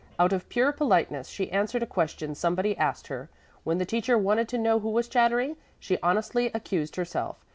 Out of pure politeness she answered a question somebody asked her. When the teacher wanted to know who was chattering, she honestly accused herself.